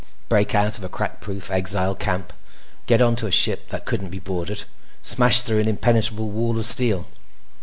Break out of a crack proof exile camp—get onto a ship that couldn't be boarded—smash through an impenetrable wall of steel.